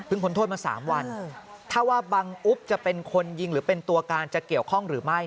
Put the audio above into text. พ้นโทษมา๓วันถ้าว่าบังอุ๊บจะเป็นคนยิงหรือเป็นตัวการจะเกี่ยวข้องหรือไม่